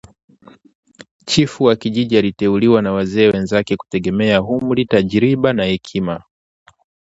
Chifu wa kijiji aliteuliwa na wazee wenzake kutegemea umri, tajriba na hekima